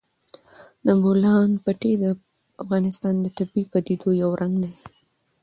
د بولان پټي د افغانستان د طبیعي پدیدو یو رنګ دی.